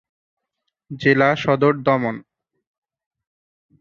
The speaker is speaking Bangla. জেলা সদর দমন।